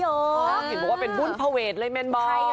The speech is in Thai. เห็นมันว่าเป็นบุญเผเวทเลยแมนบอ